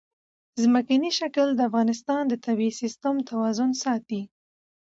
ځمکنی شکل د افغانستان د طبعي سیسټم توازن ساتي.